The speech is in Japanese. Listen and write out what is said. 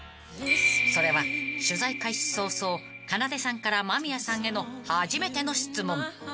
［それは取材開始早々かなでさんから間宮さんへの初めての質問］